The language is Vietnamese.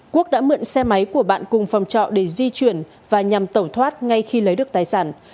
quốc đã mượn xe máy của bạn cùng phòng trọ để di chuyển và nhằm tẩu thoát ngay khi lấy được tài sản